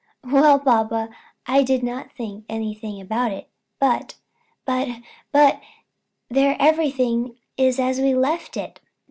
"Well, papa, I did not think anything about it; but but but there everything is as we left it."